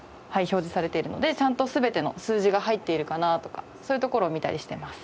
表示されているのでちゃんと全ての数字が入っているかなとかそういうところを見たりしています。